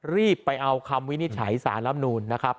รีบไปเอาคำวินิจฉัยสารลำนูนนะครับ